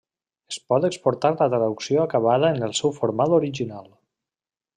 Es pot exportar la traducció acabada en el seu format original.